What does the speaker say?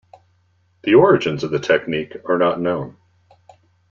The origins of the technique are not known.